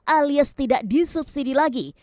alias tidak disubsidi lagi